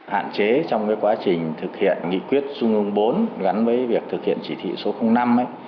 hạn chế trong quá trình thực hiện nghị quyết trung ương bốn gắn với việc thực hiện chỉ thị số năm ấy